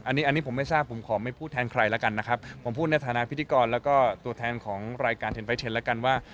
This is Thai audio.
อันนี้อันนี้ผมไม่ทราบผมขอไม่พูดแทนใครแล้วกันนะครับผมพูดในฐานะพิธีกรแล้วก็ตัวแทนของรายการเทนไปเทนแล้วกันว่า